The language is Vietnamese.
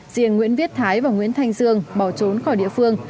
riêng nguyễn viết thái và nguyễn thanh dương bỏ trốn khỏi địa phương